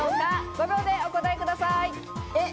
５秒でお答えください。